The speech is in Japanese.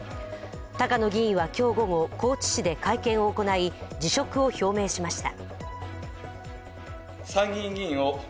高野議員は今日午後、高知市で会見を行い、辞職を表明しました。